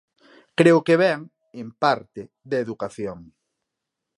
Creo que vén, en parte, da educación.